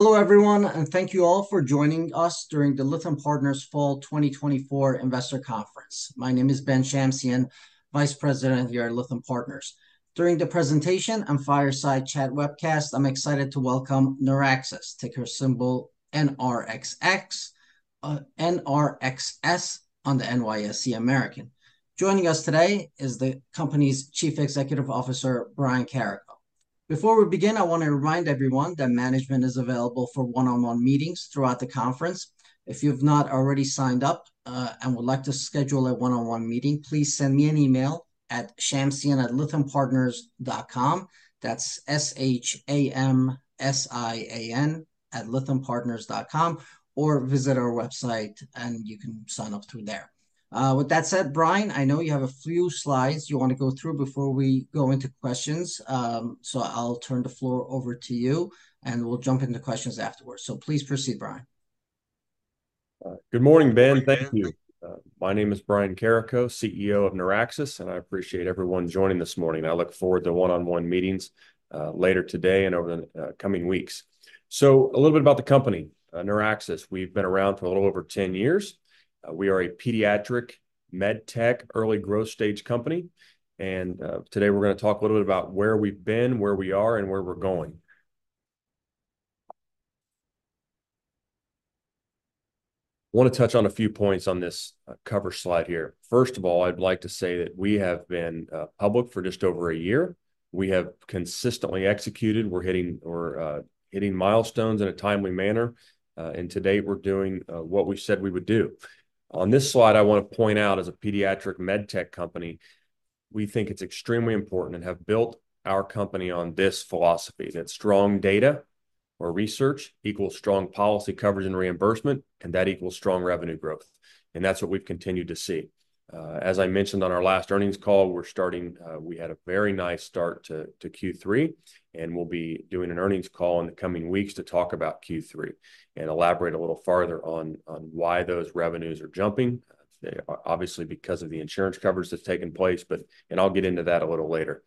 Hello, everyone, and thank you all for joining us during the Lytham Partners Fall 2024 Investor Conference. My name is Ben Shamsian, Vice President here at Lytham Partners. During the presentation and fireside chat webcast, I'm excited to welcome NeurAxis, ticker symbol N-R-X-S on the NYSE American. Joining us today is the company's Chief Executive Officer, Brian Carrico. Before we begin, I want to remind everyone that management is available for one-on-one meetings throughout the conference. If you've not already signed up and would like to schedule a one-on-one meeting, please send me an email at shamsian@lythampartners.com. That's S-H-A-M-S-I-A-N @lythampartners.com, or visit our website, and you can sign up through there. With that said, Brian, I know you have a few slides you want to go through before we go into questions. I'll turn the floor over to you, and we'll jump into questions afterwards. Please proceed, Brian. Good morning, Ben. Thank you. My name is Brian Carrico, CEO of NeurAxis, and I appreciate everyone joining this morning. I look forward to one-on-one meetings later today and over the coming weeks. So a little bit about the company, NeurAxis. We've been around for a little over 10 years. We are a pediatric med tech early growth stage company, and today we're gonna talk a little bit about where we've been, where we are, and where we're going. Want to touch on a few points on this cover slide here. First of all, I'd like to say that we have been public for just over a year. We have consistently executed. We're hitting milestones in a timely manner, and to date, we're doing what we said we would do. On this slide, I want to point out, as a pediatric med tech company, we think it's extremely important and have built our company on this philosophy, that strong data or research equals strong policy coverage and reimbursement, and that equals strong revenue growth, and that's what we've continued to see. As I mentioned on our last earnings call, we're starting. We had a very nice start to Q3, and we'll be doing an earnings call in the coming weeks to talk about Q3 and elaborate a little farther on why those revenues are jumping. Obviously, because of the insurance coverage that's taken place. I'll get into that a little later.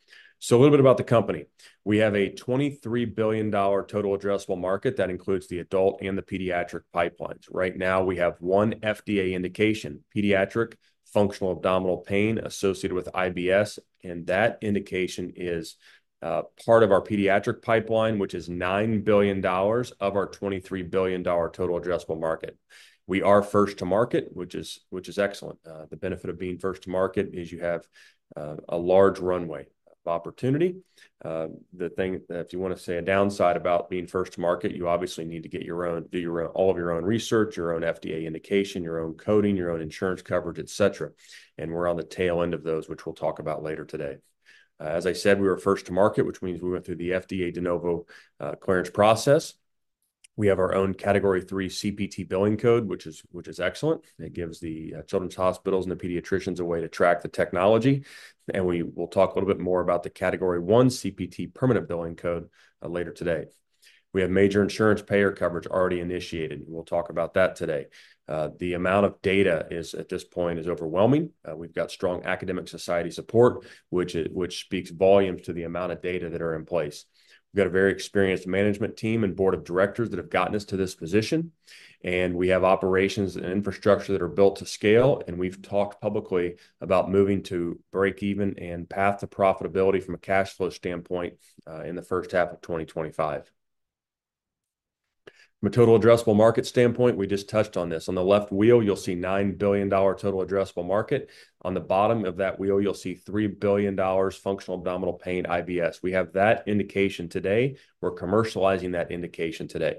A little bit about the company. We have a $23 billion total addressable market. That includes the adult and the pediatric pipelines. Right now, we have one FDA indication, pediatric functional abdominal pain associated with IBS, and that indication is part of our pediatric pipeline, which is $9 billion of our $23 billion total addressable market. We are first to market, which is excellent. The benefit of being first to market is you have a large runway of opportunity. The thing, if you want to say a downside about being first to market, you obviously need to get your own, do your own, all of your own research, your own FDA indication, your own coding, your own insurance coverage, et cetera, and we're on the tail end of those, which we'll talk about later today. As I said, we were first to market, which means we went through the FDA De Novo clearance process. We have our own Category III CPT billing code, which is excellent. It gives the children's hospitals and the pediatricians a way to track the technology, and we will talk a little bit more about the Category I CPT permanent billing code, later today. We have major insurance payer coverage already initiated, and we'll talk about that today. The amount of data is, at this point, overwhelming. We've got strong academic society support, which speaks volumes to the amount of data that are in place. We've got a very experienced management team and board of directors that have gotten us to this position, and we have operations and infrastructure that are built to scale, and we've talked publicly about moving to break even and path to profitability from a cash flow standpoint, in the first half of 2025. From a total addressable market standpoint, we just touched on this. On the left wheel, you'll see $9 billion total addressable market. On the bottom of that wheel, you'll see $3 billion functional abdominal pain, IBS. We have that indication today. We're commercializing that indication today.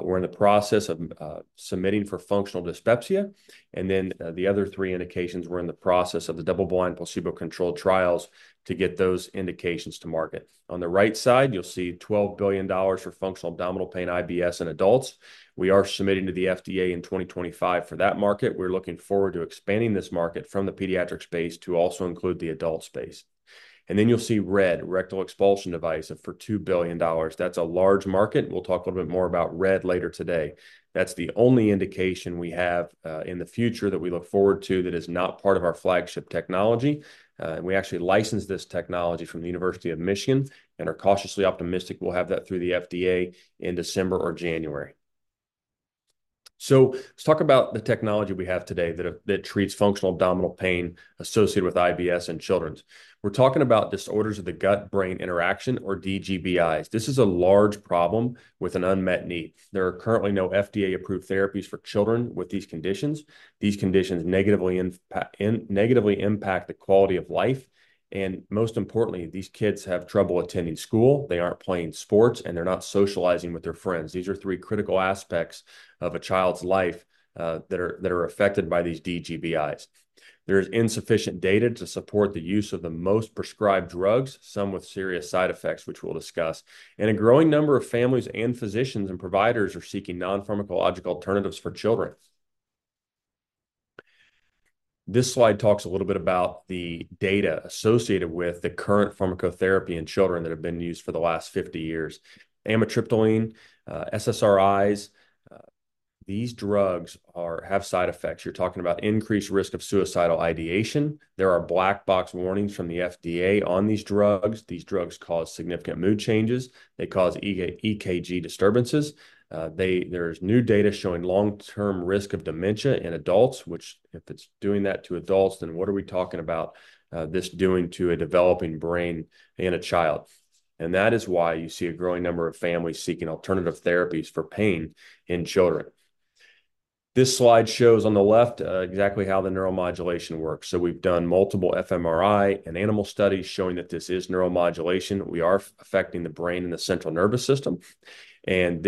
We're in the process of submitting for functional dyspepsia, and then the other three indications were in the process of the double-blind, placebo-controlled trials to get those indications to market. On the right side, you'll see $12 billion for functional abdominal pain, IBS in adults. We are submitting to the FDA in 2025 for that market. We're looking forward to expanding this market from the pediatric space to also include the adult space, and then you'll see RED, rectal expulsion device, for $2 billion. That's a large market. We'll talk a little bit more about RED later today. That's the only indication we have in the future that we look forward to that is not part of our flagship technology. We actually licensed this technology from the University of Michigan and are cautiously optimistic we'll have that through the FDA in December or January. Let's talk about the technology we have today that treats functional abdominal pain associated with IBS in children. We're talking about disorders of the gut-brain interaction or DGBIs. This is a large problem with an unmet need. There are currently no FDA-approved therapies for children with these conditions. These conditions negatively impact the quality of life, and most importantly, these kids have trouble attending school, they aren't playing sports, and they're not socializing with their friends. These are three critical aspects of a child's life that are affected by these DGBIs. There is insufficient data to support the use of the most prescribed drugs, some with serious side effects, which we'll discuss, and a growing number of families and physicians and providers are seeking non-pharmacological alternatives for children. This slide talks a little bit about the data associated with the current pharmacotherapy in children that have been used for the last fifty years. Amitriptyline, SSRIs. These drugs have side effects. You're talking about increased risk of suicidal ideation. There are Black Box warnings from the FDA on these drugs. These drugs cause significant mood changes. They cause EKG disturbances. There's new data showing long-term risk of dementia in adults, which, if it's doing that to adults, then what are we talking about, this doing to a developing brain in a child? And that is why you see a growing number of families seeking alternative therapies for pain in children. This slide shows on the left exactly how the neuromodulation works. So we've done multiple fMRI and animal studies showing that this is neuromodulation. We are affecting the brain and the central nervous system, and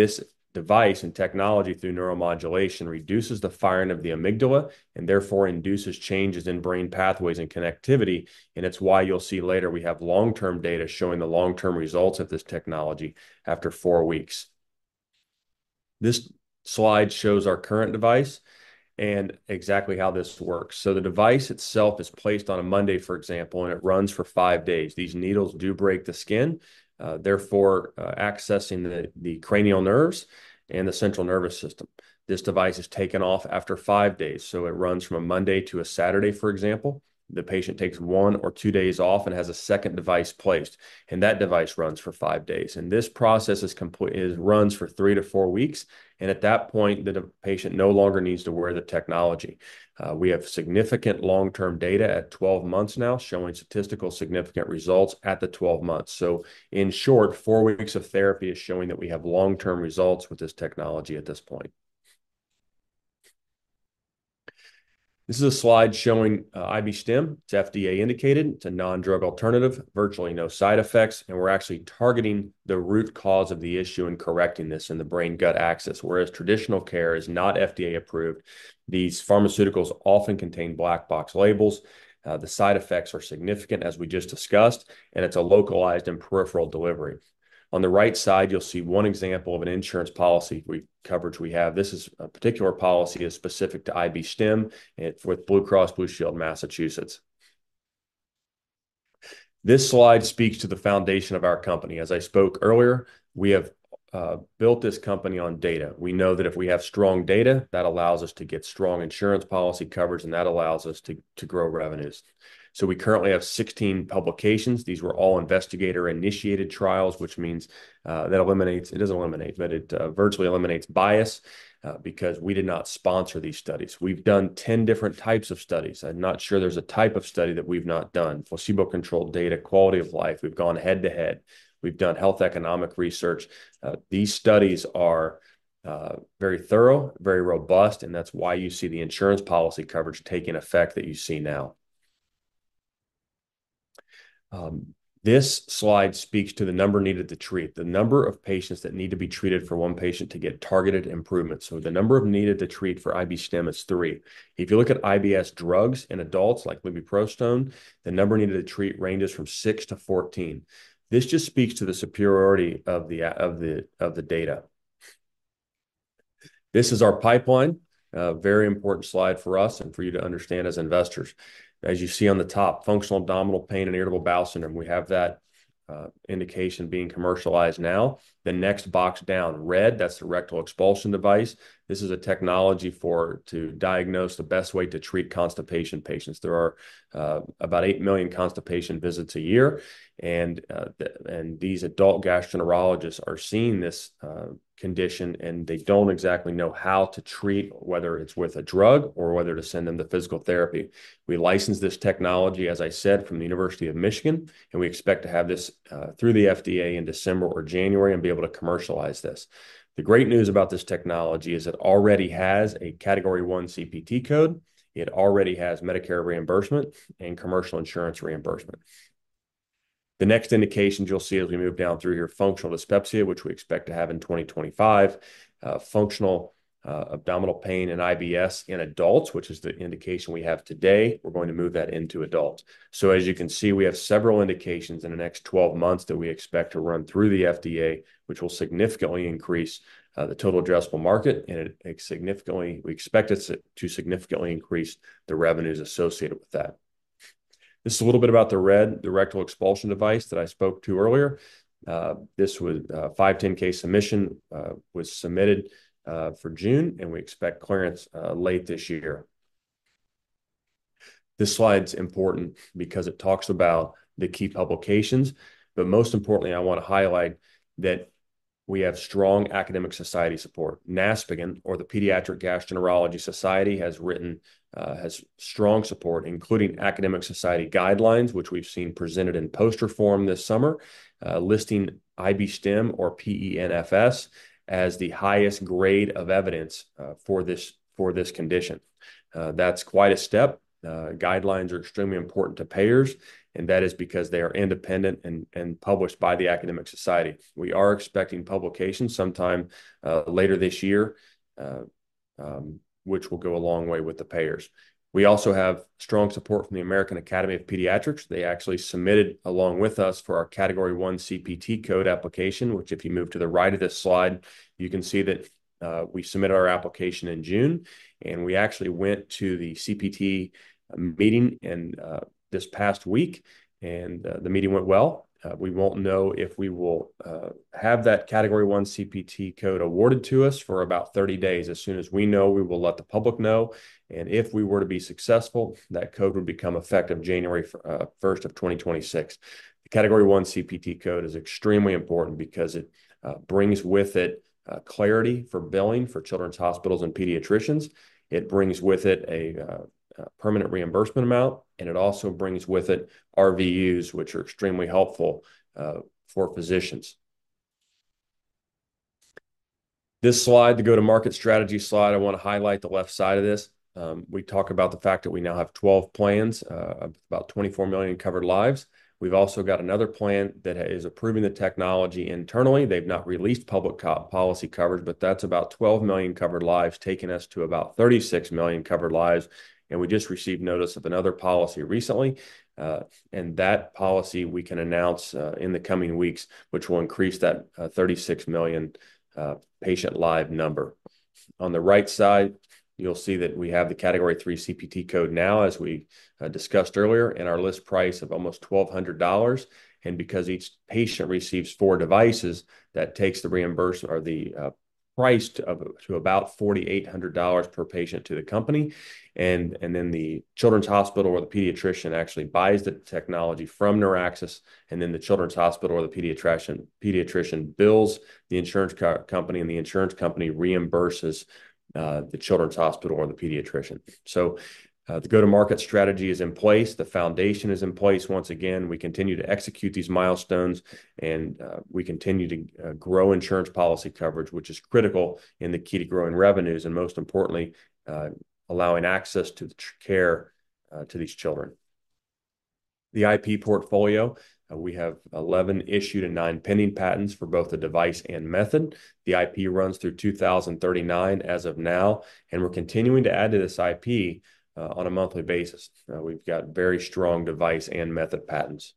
this device and technology, through neuromodulation, reduces the firing of the amygdala and therefore induces changes in brain pathways and connectivity, and it's why you'll see later we have long-term data showing the long-term results of this technology after four weeks. This slide shows our current device and exactly how this works. The device itself is placed on a Monday, for example, and it runs for five days. These needles do break the skin, therefore, accessing the cranial nerves and the central nervous system. This device is taken off after five days, so it runs from a Monday to a Saturday, for example. The patient takes one or two days off and has a second device placed, and that device runs for five days, and this process is complete. It runs for three to four weeks, and at that point, the patient no longer needs to wear the technology. We have significant long-term data at twelve months now, showing statistically significant results at the twelve months. In short, four weeks of therapy is showing that we have long-term results with this technology at this point. This is a slide showing IB-Stim. It's FDA indicated. It's a non-drug alternative, virtually no side effects, and we're actually targeting the root cause of the issue and correcting this in the brain-gut axis, whereas traditional care is not FDA approved. These pharmaceuticals often contain Black Box labels. The side effects are significant, as we just discussed, and it's a localized and peripheral delivery. On the right side, you'll see one example of an insurance policy coverage we have. This is a particular policy specific to IB-Stim, and with Blue Cross Blue Shield of Massachusetts. This slide speaks to the foundation of our company. As I spoke earlier, we have built this company on data. We know that if we have strong data, that allows us to get strong insurance policy coverage, and that allows us to grow revenues, so we currently have 16 publications. These were all investigator-initiated trials, which means that eliminates it doesn't eliminate, but it virtually eliminates bias because we did not sponsor these studies. We've done 10 different types of studies. I'm not sure there's a type of study that we've not done. Placebo-controlled data, quality of life, we've gone head-to-head. We've done health economic research. These studies are very thorough, very robust, and that's why you see the insurance policy coverage taking effect that you see now. This slide speaks to the number needed to treat, the number of patients that need to be treated for one patient to get targeted improvement. So the number needed to treat for IB-Stim is three. If you look at IBS drugs in adults, like Lubiprostone, the number needed to treat ranges from six to 14. This just speaks to the superiority of the data. This is our pipeline. A very important slide for us and for you to understand as investors. As you see on the top, functional abdominal pain and irritable bowel syndrome, we have that indication being commercialized now. The next box down, RED, that's the rectal expulsion device. This is a technology for to diagnose the best way to treat constipation patients. There are about eight million constipation visits a year, and these adult gastroenterologists are seeing this condition, and they don't exactly know how to treat, whether it's with a drug or whether to send them to physical therapy. We licensed this technology, as I said, from the University of Michigan, and we expect to have this through the FDA in December or January and be able to commercialize this. The great news about this technology is it already has a Category I CPT code. It already has Medicare reimbursement and commercial insurance reimbursement. The next indications you'll see as we move down through here, functional dyspepsia, which we expect to have in 2025, functional abdominal pain and IBS in adults, which is the indication we have today. We're going to move that into adults. So as you can see, we have several indications in the next 12 months that we expect to run through the FDA, which will significantly increase the total addressable market, and we expect it to significantly increase the revenues associated with that. This is a little bit about the RED, the rectal expulsion device, that I spoke to earlier. This was a 510(k) submission was submitted for June, and we expect clearance late this year. This slide's important because it talks about the key publications, but most importantly, I wanna highlight that we have strong academic society support. NASPGHAN, or the Pediatric Gastroenterology Society, has written strong support, including academic society guidelines, which we've seen presented in poster form this summer, listing IB-Stim or PENFS as the highest grade of evidence for this condition. That's quite a step. Guidelines are extremely important to payers, and that is because they are independent and published by the academic society. We are expecting publication sometime later this year, with-... Which will go a long way with the payers. We also have strong support from the American Academy of Pediatrics. They actually submitted along with us for our Category I CPT code application, which, if you move to the right of this slide, you can see that we submitted our application in June, and we actually went to the CPT meeting in this past week, and the meeting went well. We won't know if we will have that Category I CPT code awarded to us for about thirty days. As soon as we know, we will let the public know, and if we were to be successful, that code would become effective January 1 of 2026. The Category I CPT code is extremely important because it brings with it clarity for billing for children's hospitals and pediatricians. It brings with it a permanent reimbursement amount, and it also brings with it RVUs, which are extremely helpful for physicians. This slide, the go-to-market strategy slide, I wanna highlight the left side of this. We talk about the fact that we now have 12 plans, about 24 million covered lives. We've also got another plan that is approving the technology internally. They've not released public coverage policy, but that's about 12 million covered lives, taking us to about 36 million covered lives, and we just received notice of another policy recently, and that policy we can announce in the coming weeks, which will increase that 36 million covered lives number. On the right side, you'll see that we have the Category III CPT code now, as we discussed earlier, and our list price of almost $1,200, and because each patient receives four devices, that takes the reimbursement or the price to about $4,800 per patient to the company. And then the children's hospital or the pediatrician actually buys the technology from NeurAxis, and then the children's hospital or the pediatrician bills the insurance company, and the insurance company reimburses the children's hospital or the pediatrician. So, the go-to-market strategy is in place. The foundation is in place. Once again, we continue to execute these milestones, and we continue to grow insurance policy coverage, which is critical in the key to growing revenues and, most importantly, allowing access to the care to these children. The IP portfolio, we have eleven issued and nine pending patents for both the device and method. The IP runs through two thousand thirty-nine as of now, and we're continuing to add to this IP on a monthly basis. We've got very strong device and method patents.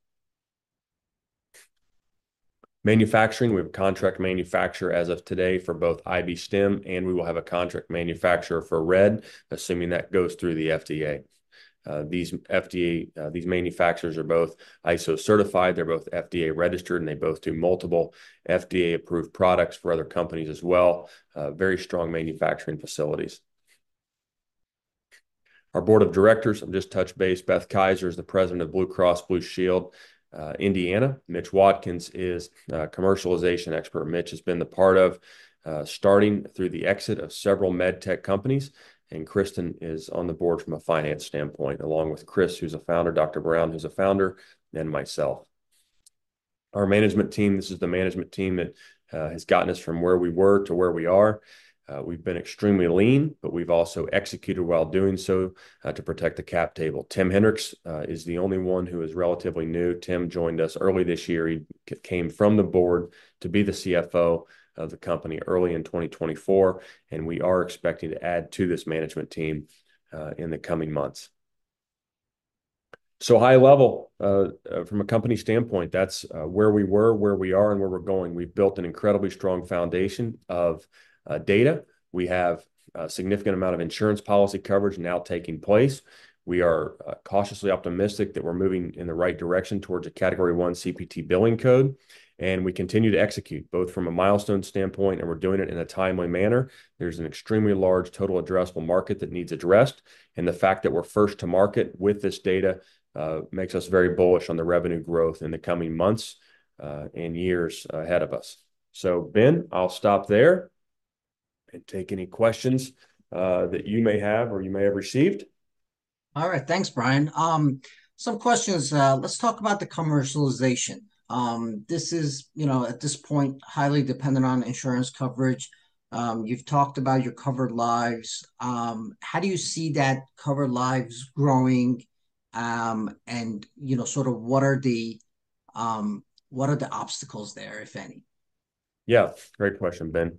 Manufacturing, we have a contract manufacturer as of today for both IB-Stim, and we will have a contract manufacturer for RED, assuming that goes through the FDA. These manufacturers are both ISO certified, they're both FDA-registered, and they both do multiple FDA-approved products for other companies as well. Very strong manufacturing facilities. Our board of directors, I'll just touch base. Beth Keyser is the president of Blue Cross Blue Shield of Indiana. Mitch Watkins is a commercialization expert. Mitch has been a part of starting through the exit of several med tech companies, and Kristin is on the board from a finance standpoint, along with Chris, who's a founder, Dr. Brown, who's a founder, then myself. Our management team, this is the management team that has gotten us from where we were to where we are. We've been extremely lean, but we've also executed while doing so to protect the cap table. Tim Henrichs is the only one who is relatively new. Tim joined us early this year. He came from the board to be the CFO of the company early in 2024, and we are expecting to add to this management team in the coming months. So high level, from a company standpoint, that's where we were, where we are, and where we're going. We've built an incredibly strong foundation of data. We have a significant amount of insurance policy coverage now taking place. We are cautiously optimistic that we're moving in the right direction towards a Category I CPT billing code, and we continue to execute, both from a milestone standpoint, and we're doing it in a timely manner. There's an extremely large total addressable market that needs addressed, and the fact that we're first to market with this data makes us very bullish on the revenue growth in the coming months and years ahead of us. So Ben, I'll stop there and take any questions that you may have or you may have received. All right. Thanks, Ben. Some questions. Let's talk about the commercialization. This is, you know, at this point, highly dependent on insurance coverage. You've talked about your covered lives. How do you see that covered lives growing, and, you know, sort of what are the obstacles there, if any? Yeah, great question, Ben.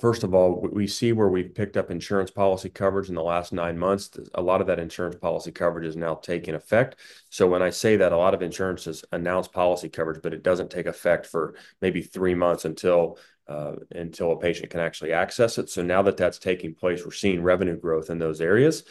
First of all, we see where we've picked up insurance policy coverage in the last nine months. A lot of that insurance policy coverage is now taking effect. So when I say that, a lot of insurances announce policy coverage, but it doesn't take effect for maybe three months until a patient can actually access it. So now that that's taking place, we're seeing revenue growth in those areas.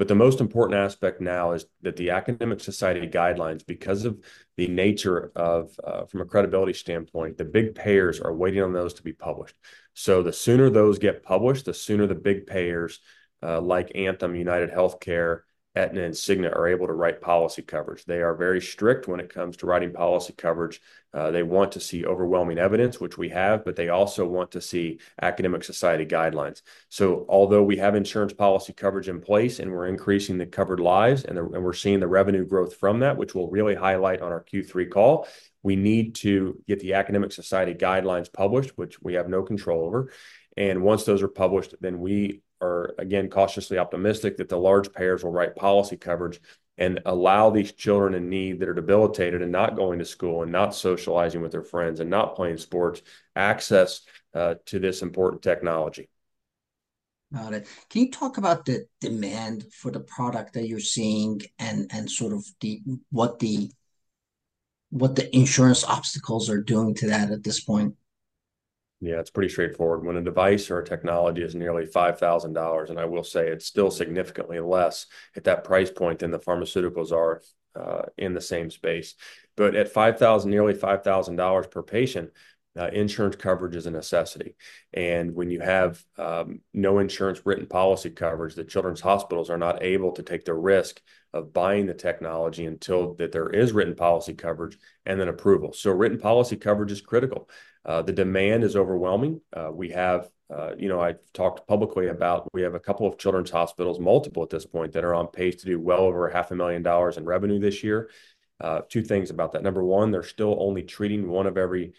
But the most important aspect now is that the academic society guidelines, because of the nature of from a credibility standpoint, the big payers are waiting on those to be published. So the sooner those get published, the sooner the big payers like Anthem, UnitedHealthcare, Aetna, and Cigna are able to write policy coverage. They are very strict when it comes to writing policy coverage. They want to see overwhelming evidence, which we have, but they also want to see academic society guidelines. So although we have insurance policy coverage in place, and we're increasing the covered lives, and we're seeing the revenue growth from that, which we'll really highlight on our Q3 call, we need to get the academic society guidelines published, which we have no control over. And once those are published, then we are, again, cautiously optimistic that the large payers will write policy coverage and allow these children in need, that are debilitated, and not going to school, and not socializing with their friends, and not playing sports, access to this important technology.... Got it. Can you talk about the demand for the product that you're seeing and sort of what the insurance obstacles are doing to that at this point? Yeah, it's pretty straightforward. When a device or a technology is nearly $5,000, and I will say it's still significantly less at that price point than the pharmaceuticals are in the same space. But at $5,000, nearly $5,000 per patient, insurance coverage is a necessity. And when you have no insurance written policy coverage, the children's hospitals are not able to take the risk of buying the technology until that there is written policy coverage and then approval. So written policy coverage is critical. The demand is overwhelming. We have... You know, I've talked publicly about we have a couple of children's hospitals, multiple at this point, that are on pace to do well over $500,000 in revenue this year. Two things about that: number one, they're still only treating one of every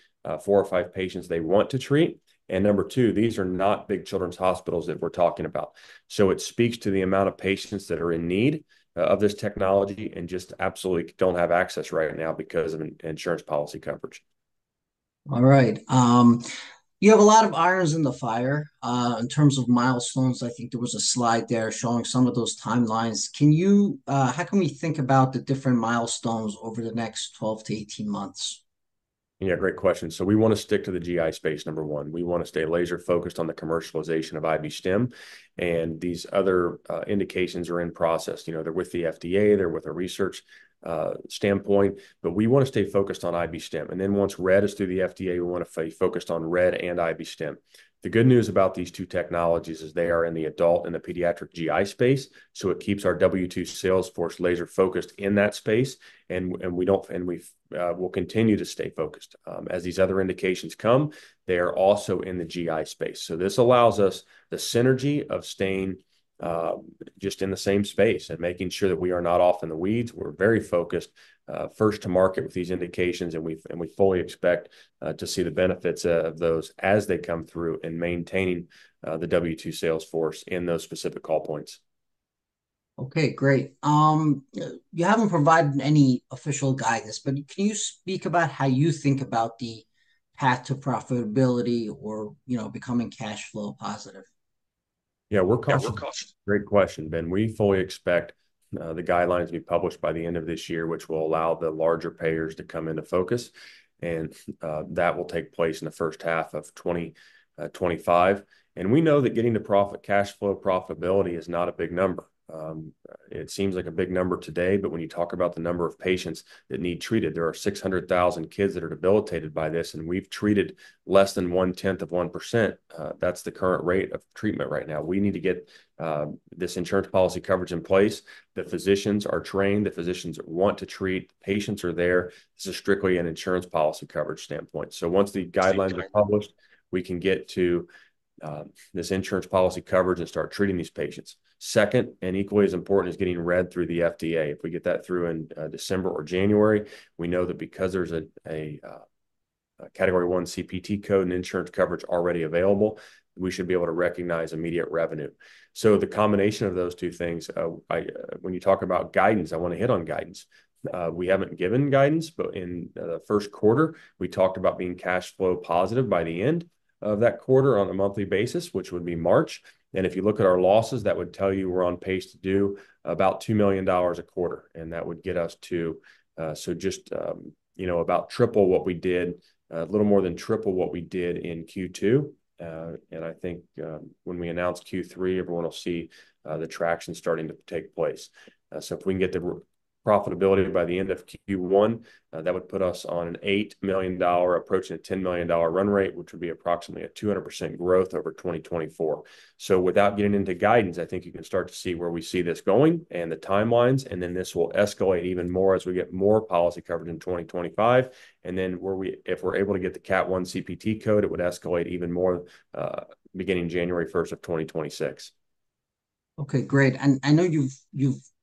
four or five patients they want to treat; and number two, these are not big children's hospitals that we're talking about. So it speaks to the amount of patients that are in need of this technology and just absolutely don't have access right now because of insurance policy coverage. All right. You have a lot of irons in the fire. In terms of milestones, I think there was a slide there showing some of those timelines. Can you, How can we think about the different milestones over the next 12-18 months? Yeah, great question. So we want to stick to the GI space, number one. We want to stay laser-focused on the commercialization of IB-Stim, and these other indications are in process. You know, they're with the FDA, they're with a research standpoint, but we want to stay focused on IB-Stim. And then once RED is through the FDA, we want to stay focused on RED and IB-Stim. The good news about these two technologies is they are in the adult and the pediatric GI space, so it keeps our W-2 sales force laser-focused in that space, and we will continue to stay focused. As these other indications come, they are also in the GI space. So this allows us the synergy of staying just in the same space and making sure that we are not off in the weeds. We're very focused first to market with these indications, and we fully expect to see the benefits of those as they come through in maintaining the W-2 sales force in those specific call points. Okay, great. You haven't provided any official guidance, but can you speak about how you think about the path to profitability or, you know, becoming cash flow positive? Yeah, we're- Yeah, cost. Great question, Ben. We fully expect the guidelines to be published by the end of this year, which will allow the larger payers to come into focus, and that will take place in the first half of 2025, and we know that getting to profit... cash flow profitability is not a big number. It seems like a big number today, but when you talk about the number of patients that need treated, there are 600,000 kids that are debilitated by this, and we've treated less than one-tenth of 1%. That's the current rate of treatment right now. We need to get this insurance policy coverage in place. The physicians are trained, the physicians want to treat, patients are there. This is strictly an insurance policy coverage standpoint. So once the guidelines-... are published, we can get to this insurance policy coverage and start treating these patients. Second, and equally as important, is getting RED through the FDA. If we get that through in December or January, we know that because there's a Category I CPT code and insurance coverage already available, we should be able to recognize immediate revenue. So the combination of those two things, I... When you talk about guidance, I want to hit on guidance. We haven't given guidance, but in the first quarter, we talked about being cash flow positive by the end of that quarter on a monthly basis, which would be March. If you look at our losses, that would tell you we're on pace to do about $2 million a quarter, and that would get us to. So just, you know, about triple what we did, a little more than triple what we did in Q2. And I think, when we announce Q3, everyone will see the traction starting to take place. So if we can get profitability by the end of Q1, that would put us on an $8 million, approaching a $10 million run rate, which would be approximately 200% growth over 2024. So without getting into guidance, I think you can start to see where we see this going and the timelines, and then this will escalate even more as we get more policy coverage in 2025. And then, if we're able to get the Category I CPT code, it would escalate even more, beginning January first of 2026. Okay, great. And I know you've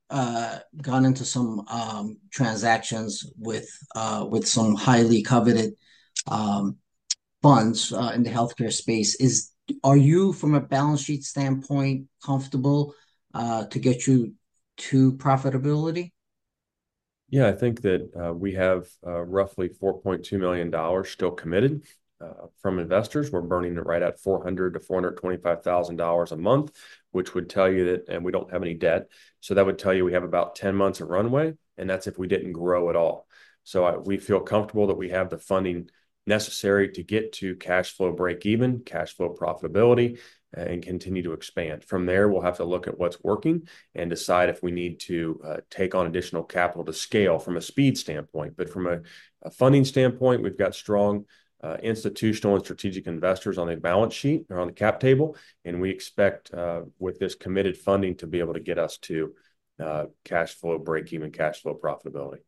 gone into some transactions with some highly coveted funds in the healthcare space. Are you, from a balance sheet standpoint, comfortable to get you to profitability? Yeah, I think that we have roughly $4.2 million still committed from investors. We're burning it right at $400-$425 thousand a month, which would tell you that. We don't have any debt. That would tell you we have about 10 months of runway, and that's if we didn't grow at all. We feel comfortable that we have the funding necessary to get to cash flow break even, cash flow profitability, and continue to expand. From there, we'll have to look at what's working and decide if we need to take on additional capital to scale from a speed standpoint. But from a funding standpoint, we've got strong institutional and strategic investors on the balance sheet or on the cap table, and we expect with this committed funding, to be able to get us to cash flow break even, cash flow profitability.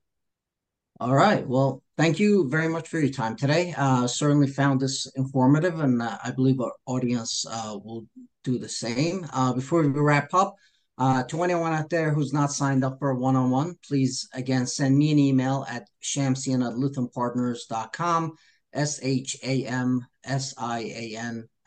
All right. Well, thank you very much for your time today. Certainly found this informative, and I believe our audience will do the same. Before we wrap up, to anyone out there who's not signed up for a one-on-one, please, again, send me an email at shamsian@lythampartners.com, S-H-A-M-S-I-A-N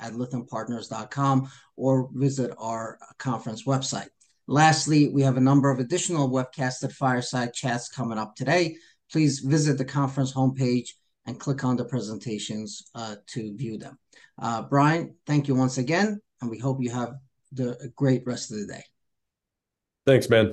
@lythampartners.com, or visit our conference website. Lastly, we have a number of additional webcasts and fireside chats coming up today. Please visit the conference homepage and click on the presentations to view them. Brian, thank you once again, and we hope you have a great rest of the day. Thanks, Ben.